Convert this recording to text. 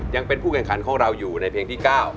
ยังเป็นผู้แข่งขันของเราอยู่ในเพลงที่๙